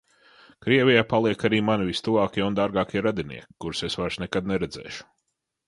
Krievijā paliek arī mani vistuvākie un dārgākie radinieki, kurus es vairs nekad neredzēšu.